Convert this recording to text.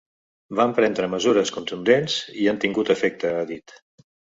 Vam prendre mesures contundents i han tingut efecte, ha dit.